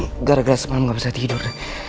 aduh gara gara semalam gak bisa tidur